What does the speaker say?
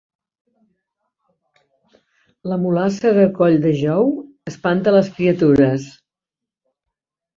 La mulassa de Colldejou espanta les criatures